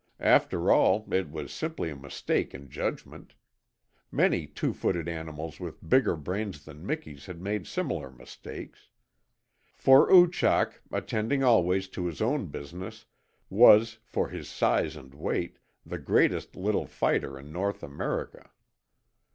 After all, it was simply a mistake in judgment. (Many two footed animals with bigger brains than Miki's had made similar mistakes.) For Oochak, attending always to his own business, was, for his size and weight, the greatest little fighter in North America.